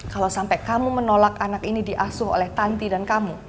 kalau sampai kamu menolak anak ini diasuh oleh tanti dan kamu